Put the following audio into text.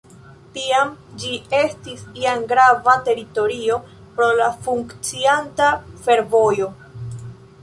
Tiam ĝi estis jam grava teritorio pro la funkcianta fervojo.